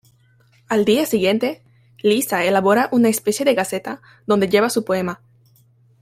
Al día siguiente, Lisa elabora una especie de gaceta donde lleva su poema.